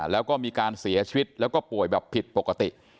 แล้วก็มีการเสียชีวิตแล้วก็ป่วยแบบผิดปกติ